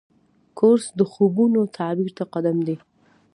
کورس د خوبونو تعبیر ته قدم دی.